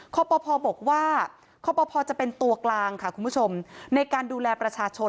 คปพบอกว่าคปพจะเป็นตัวกลางในการดูแลประชาชน